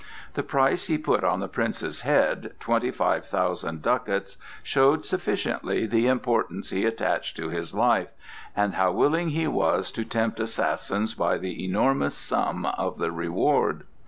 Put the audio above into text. The price he put on the Prince's head—twenty five thousand ducats—showed sufficiently the importance he attached to his life, and how willing he was to tempt assassins by the enormous sum of the reward.